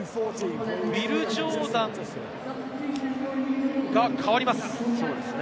ウィル・ジョーダンが代わります。